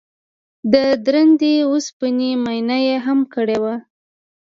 د درندې وسپنې معاینه یې هم کړې وه